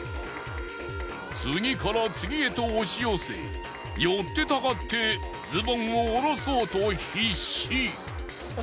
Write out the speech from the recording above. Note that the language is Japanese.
次から次へと押し寄せよってたかってズボンをおろそうと必死。